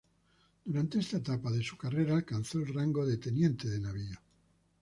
Durante esta etapa de su carrera alcanzó el rango de teniente de navío.